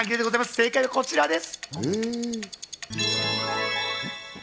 正解はこちらです。